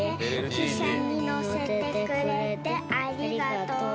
汽車に乗せてくれてありがとう。